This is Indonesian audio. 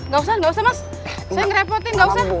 gak usah nggak usah mas saya ngerepotin gak usah